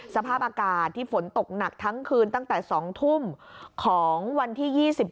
สภาพอากาศที่ฝนตกหนักทั้งคืนตั้งแต่๒ทุ่มของวันที่๒๓